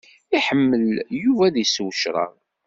Iḥemmel Yuba ad isew ccrab.